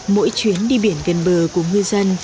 mỗi chuyến đi biển gần bờ của ngư dân